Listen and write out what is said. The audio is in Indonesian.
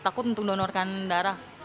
takut untuk mendonorkan darah